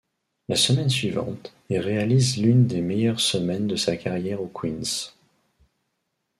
La semaine suivante, il réalise l'une des meilleures semaines de sa carrière au Queen's.